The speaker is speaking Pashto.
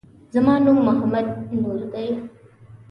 زما نوم محمد نور دی